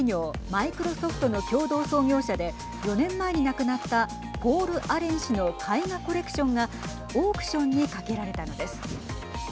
マイクロソフトの共同創業者で４年前に亡くなったポール・アレン氏の絵画コレクションがオークションにかけられたのです。